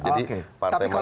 jadi partai manapun